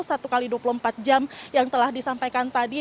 satu x dua puluh empat jam yang telah disampaikan tadi